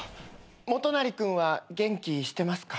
モトナリ君は元気してますか？